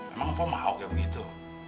emang pok mau kayak begitu